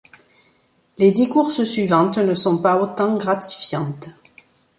Les dix courses suivantes ne sont pas autant gratifiantes.